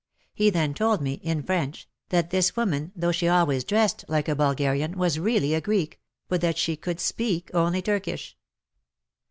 He then told me — in French — that this woman, though she always dressed like a Bulgarian, was really a Greek, but that she could speak only Turkish